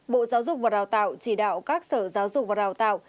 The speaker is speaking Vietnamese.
bộ giáo dục và đào tạo chỉ đạo các sở giáo dục và đào tạo